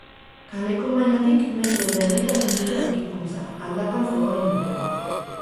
Kaleko mailatik metro eta erdira egin dute aurkikuntza, aldapan zegoen lurrean.